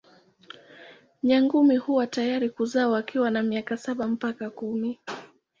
Nyangumi huwa tayari kuzaa wakiwa na miaka saba mpaka kumi.